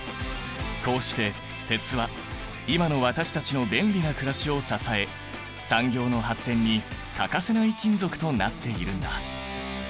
こうして鉄は今の私たちの便利なくらしを支え産業の発展に欠かせない金属となっているんだ。